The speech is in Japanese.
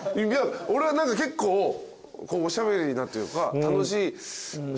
俺は何か結構おしゃべりなというか楽しい。